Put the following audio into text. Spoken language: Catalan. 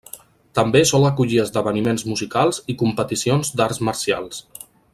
També sol acollir esdeveniments musicals i competicions d'arts marcials.